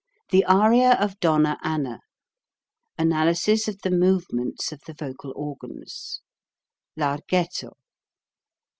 THE ARIA OF DONNA ANNA ANALYSIS OF THE MOVEMENTS OF THE VOCAL ORGANS Larghetto.